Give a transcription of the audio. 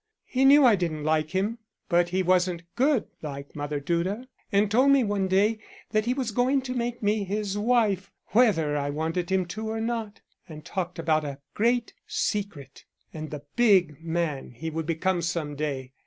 He knew I didn't like him, but he wasn't good like Mother Duda, and told me one day that he was going to make me his wife, whether I wanted him to or not, and talked about a great secret, and the big man he would be some day.